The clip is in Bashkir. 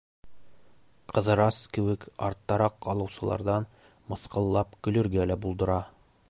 Ҡыҙырас кеүек арттараҡ ҡалыусыларҙан мыҫҡыллап көлөргә лә булдыра.